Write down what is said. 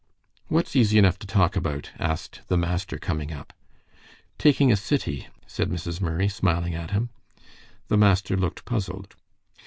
"What's easy enough to talk about?" asked the master, coming up. "Taking a city," said Mrs. Murray, smiling at him. The master looked puzzled.